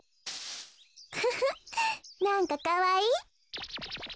ウフフなんかかわいい。